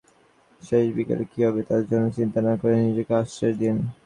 শেষ বিকেলে কী হবে তার জন্য চিন্তা না করে নিজেকে আশ্বাস দিন।